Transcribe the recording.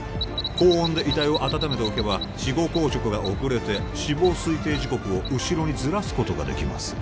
高温で遺体を温めておけば死後硬直が遅れて死亡推定時刻を後ろにずらすことができます